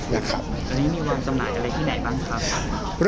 วันนี้มีวางจำหน่ายอะไรที่ไหนบ้างครับ